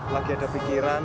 lagi ada pikiran